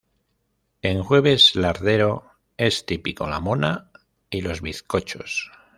En Jueves Lardero es típico la mona y los bizcochos.